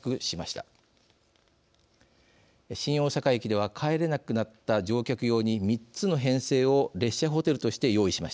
新大阪駅では帰れなくなった乗客用に３つの編成を列車ホテルとして用意しました。